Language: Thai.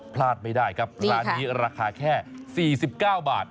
พลาดไม่ได้ครับร้านนี้ราคาแค่๔๙บาท